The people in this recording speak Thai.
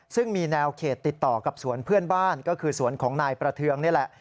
ซึ่งมีแนวเขตติดต่อกับสวนเพื่อนบ้านก็คือสวนของนายประเทืองนี่แหละ